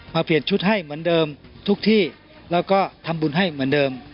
เปลี่ยนชุดให้เหมือนเดิมทุกที่แล้วก็ทำบุญให้เหมือนเดิม